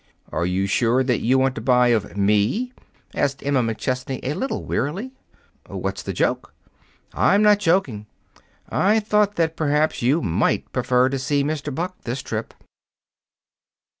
"Are you sure that you want to buy of me?" asked Emma McChesney, a little wearily. "What's the joke?" "I'm not joking. I thought that perhaps you might prefer to see Mr. Buck this trip."